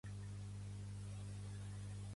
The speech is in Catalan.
Què significa el nom de Ningirsu?